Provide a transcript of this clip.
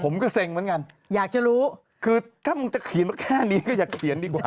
มันก็เซ็งเหมือนกันอยากจะรู้คือถ้ามึงจะเขียนมาแค่นี้ก็อยากเขียนดีกว่า